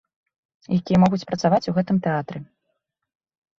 Якія могуць працаваць у гэтым тэатры.